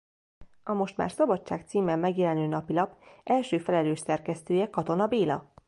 A most már Szabadság címen megjelenő napilap első felelős szerkesztője Katona Béla.